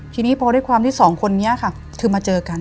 ทีนี้พอด้วยความที่สองคนนี้ค่ะคือมาเจอกัน